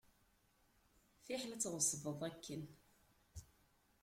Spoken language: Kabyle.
Fiḥel ad tɣeṣbeḍ akken.